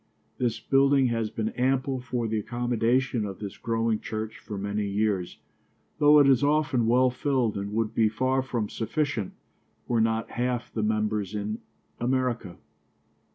This building has been ample for the accommodation of this growing church for many years, though it is often well filled and would be far from sufficient, were not half the members in America.